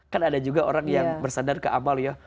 kan ada juga orang yang bersandar ke amal ya